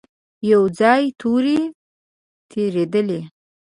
يو ځای تورې تېرېدلې.